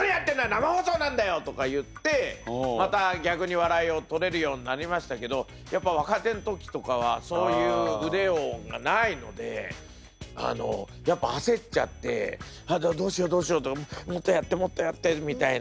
生放送なんだよ！」とか言ってまた逆に笑いを取れるようになりましたけどやっぱ若手の時とかはそういう腕がないのでやっぱ焦っちゃって「どうしようどうしようもっとやってもっとやって」みたいな。